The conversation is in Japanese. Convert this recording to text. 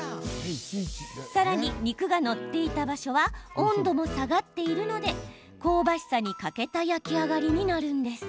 さらに肉が載っていた場所は温度も下がっているので香ばしさに欠けた焼き上がりになるんです。